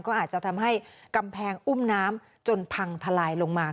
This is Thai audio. ก็อาจจะทำให้กำแพงอุ้มน้ำจนพังทลายลงมา